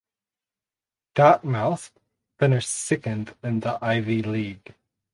Dartmouth finished second in the Ivy League.